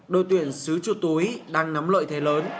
đội tuyển sứ chuột túi đang nắm lợi thế lớn